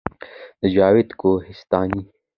د جاوید کوهستاني